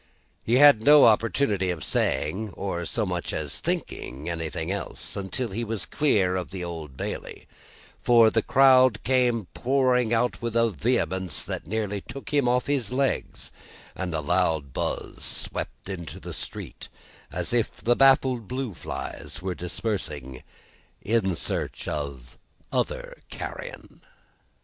He had no opportunity of saying, or so much as thinking, anything else, until he was clear of the Old Bailey; for, the crowd came pouring out with a vehemence that nearly took him off his legs, and a loud buzz swept into the street as if the baffled blue flies were dispersing in search of other carrion.